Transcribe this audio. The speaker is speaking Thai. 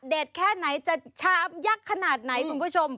แค่ไหนจะชามยักษ์ขนาดไหนคุณผู้ชม